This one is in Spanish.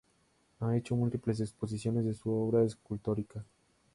Ha hecho múltiples exposiciones de su obra escultórica.